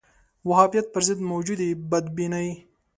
وهابیت پر ضد موجودې بدبینۍ